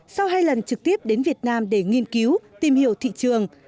sau hai lần trực tiếp đến việt nam để nghiên cứu tìm hiểu thị trường